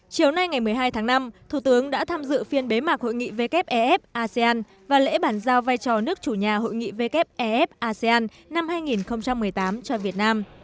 chiều nay ngày một mươi hai tháng năm thủ tướng đã tham dự phiên bế mạc hội nghị wef asean và lễ bản giao vai trò nước chủ nhà hội nghị wef asean năm hai nghìn một mươi tám cho việt nam